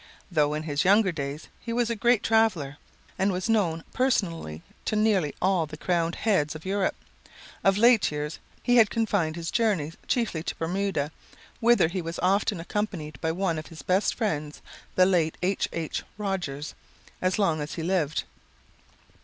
Though in his younger days he was a great traveler, and was known personally to nearly all the crowned heads of Europe, of late years he had confined his journeys chiefly to Bermuda, whither he was often accompanied by one of his best friends, the late H. H. Rogers, as long as he lived.